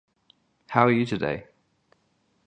How are you today ?